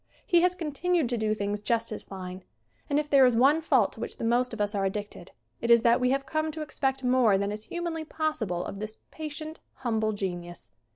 He has continued to do things just as fine. And if there is one fault to which the most of us are addicted it is that we have come to ex pect more than is humanly possible of this patient, humble genius.